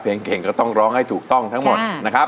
เพลงเก่งก็ต้องร้องให้ถูกต้องทั้งหมด